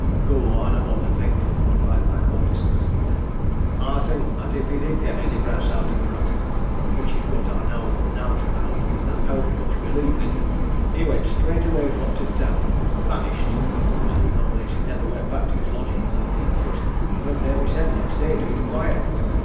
"Gow, I know what I think!" replied Pickard disgustedly. "I think 'at if he did get any brass out o' Pratt which is what I know nowt about, and hewn't much belief in he went straight away fro' t' town vanished! I do know this he nivver went back to his lodgin's that neet, 'cause I went theer mysen next day to inquire."